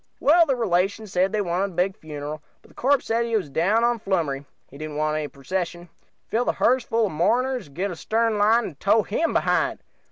"Well, the relations they wanted a big funeral, but corpse said he was down on flummery didn,'t want any procession fill the hearse full of mourners, and get out a stern line and tow him behind.